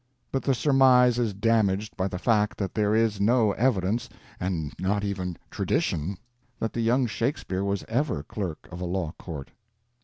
But the surmise is damaged by the fact that there is no evidence—and not even tradition—that the young Shakespeare was ever clerk of a law court.